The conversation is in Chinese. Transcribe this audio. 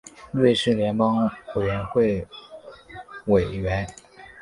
瑞士联邦委员会委员。